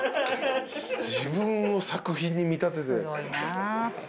自分を作品に見立てて。